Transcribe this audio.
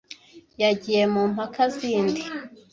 Yagiye mu mpaka zindi.